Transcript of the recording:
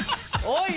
おい！